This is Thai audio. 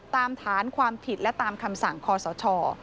ฐานความผิดและตามคำสั่งคอสช